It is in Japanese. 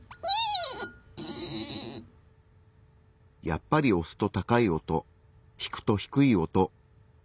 やっぱり押すと高い音引くと低い音。